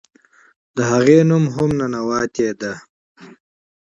د هغې نوم هم "ننواتې" دے.